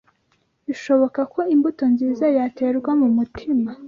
Bishoboka ko imbuto nziza yaterwa mu mutima